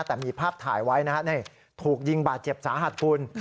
แต่มีภาพถ่ายไว้นะฮะนี่ถูกยิงบาดเจ็บสาหัสคุณ